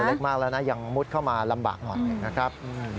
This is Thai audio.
เล็กมากแล้วนะยังมุดเข้ามาลำบากหน่อยนะครับ